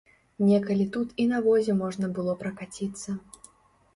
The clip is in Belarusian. Некалі тут і на возе можна было пракаціцца.